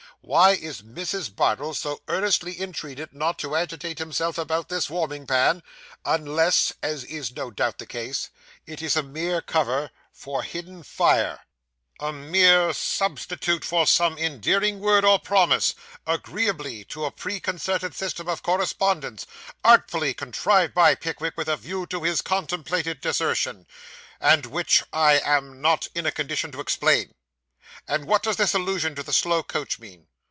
Why is Mrs. Bardell so earnestly entreated not to agitate herself about this warming pan, unless (as is no doubt the case) it is a mere cover for hidden fire a mere substitute for some endearing word or promise, agreeably to a preconcerted system of correspondence, artfully contrived by Pickwick with a view to his contemplated desertion, and which I am not in a condition to explain? And what does this allusion to the slow coach mean?